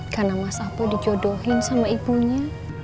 karena mas apa dijodohin sama ibunya